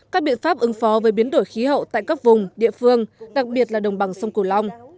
các biện pháp ứng phó với biến đổi khí hậu tại các vùng địa phương đặc biệt là đồng bằng sông cửu long